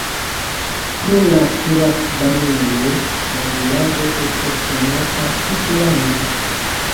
Pro la kuracbanejo la vilaĝo estas konata tutlande.